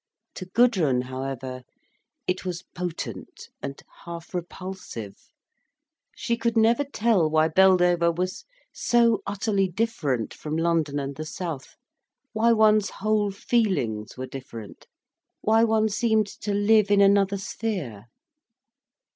To Gudrun, however, it was potent and half repulsive. She could never tell why Beldover was so utterly different from London and the south, why one's whole feelings were different, why one seemed to live in another sphere.